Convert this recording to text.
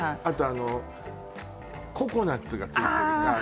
あのココナッツがついてるかああ！